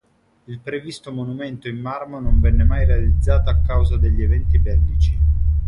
Il previsto monumento in marmo non venne mai realizzato a causa degli eventi bellici.